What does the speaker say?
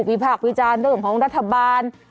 วิภาควิจารณ์โดยหนึ่งของรัฐบาล